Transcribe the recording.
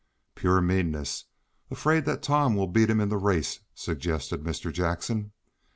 "Pure meanness. Afraid that Tom will beat him in the race," suggested Mr. Jackson.